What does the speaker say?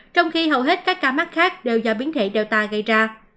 trong khi hầu hết các ca mắc khác đều do biến thể data gây ra